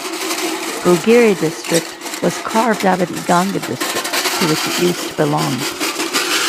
Bugiri District was carved out of Iganga District, to which it used to belong.